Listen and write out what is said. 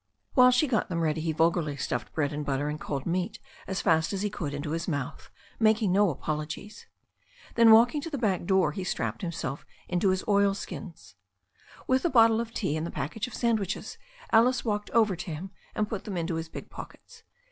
While she got them ready he vulgarly stuffed bread and butter and cold meat as fast as he could into his mouth, making no apologies. Then walking to the back door he strapped himself into his oilskins. With the bottle of tea and the package of sandwiches Alice walked over to him and put them into his big pockets.